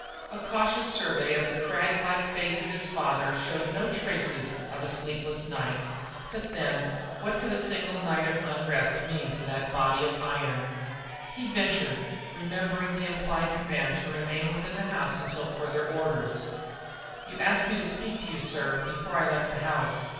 A cautious survey of the craglike face of his father showed no traces of a sleepless night; but then, what could a single night of unrest mean to that body of iron? He ventured, remembering the implied command to remain within the house until further orders: "You asked me to speak to you, sir, before I left the house.